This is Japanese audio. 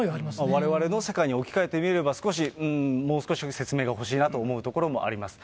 われわれの世界に置き換えてみれば、少し、うーん、もう少し説明がほしいなと思うところがあります。